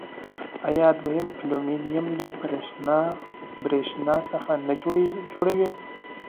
آیا دوی المونیم له بریښنا څخه نه جوړوي؟